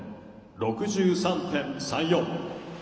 ６３．３４。